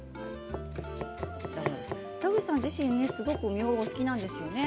田口さん自身すごくみょうがが好きなんですよね。